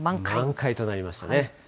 満開となりましたね。